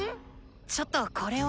ちょっとこれは。